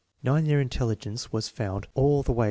Nine year intelligence was found all the i Seep.